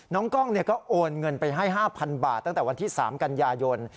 น้องกล้องก็โอนเงินไปให้๕๐๐๐บาทตั้งแต่วันที่๓กันยายน